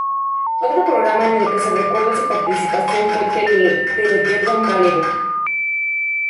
Otro programa en el que se recuerda su participación fue el teleteatro "Malevo".